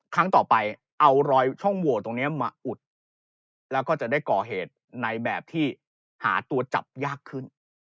ครั้งต่อไปเอารอยช่องโหวตตรงนี้มาอุดแล้วก็จะได้ก่อเหตุในแบบที่หาตัวจับยากขึ้น